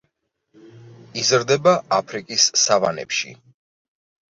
იზრდება აფრიკის სავანებში.